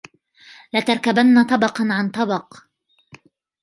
لتركبن طبقا عن طبق